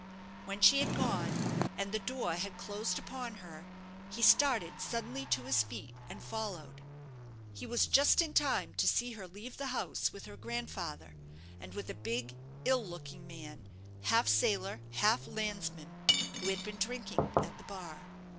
When she had gone, and the door had closed upon her, he started suddenly to his feet, and followed. He was just in time to see her leave the house with her grandfather, and with a big, ill looking man, half sailor, half landsman, who had been drinking at the bar.